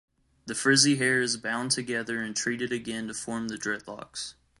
The frizzy hair is bound together and treated again to form the dreadlocks.